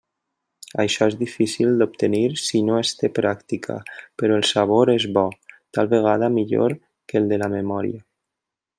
Això és difícil d'obtenir si no es té pràctica, però el sabor és bo, tal vegada millor que el de la memòria.